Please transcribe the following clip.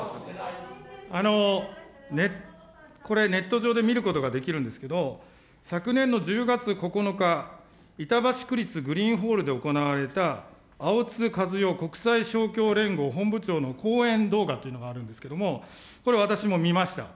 これ、ネット上で見ることができるんですけれども、昨年の１０月９日、板橋区立グリーンホールで行われたあおつかずよ政府宗教法人連合の講演動画っていうのがあるんですけれども、これ私も見ました。